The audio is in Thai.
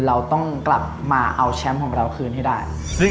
เราต้องกลับมาเอาแชมป์ของเราคืนให้ได้